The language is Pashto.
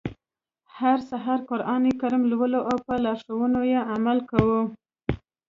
هر سهار قرآن کریم لولو او په لارښوونو يې عمل کوو.